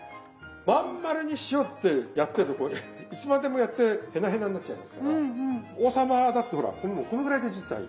真ん丸にしようってやってるといつまでもやってヘナヘナになっちゃいますから王様だってほらこのぐらいで実はいい。